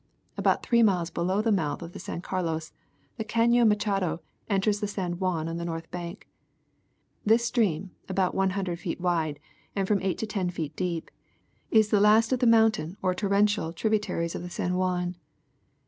About three miles below the mouth of the San Carlos, the Cario Machado enters the San Juan on the north bank. This stream, about one hundred feet wide and from eight to ten feet deep, is the last of the mountain or torrential tributaries of the San Juan.